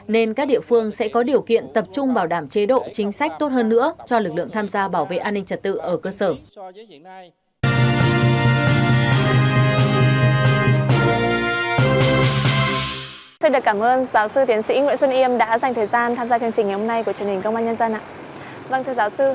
nên các địa phương sẽ có điều kiện tập trung bảo đảm chế độ chính sách tốt hơn nữa cho lực lượng tham gia bảo vệ an ninh trật tự ở cơ sở